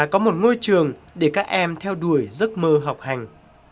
có một ngôi trường để các em theo đuổi giấc mơ học hành